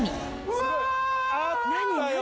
すごい。